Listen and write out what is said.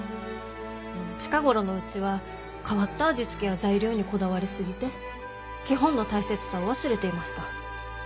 近頃のうちは変わった味付けや材料にこだわり過ぎて基本の大切さを忘れていました。